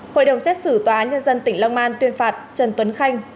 hội đồng xét xử tòa án nhân dân tỉnh long an tuyên phạt trần tuấn khanh